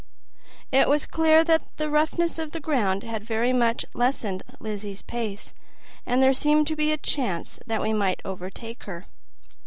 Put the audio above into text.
It was clear that the roughness of the ground had very much lessened Lizzie's speed, and there seemed a chance that we might overtake her.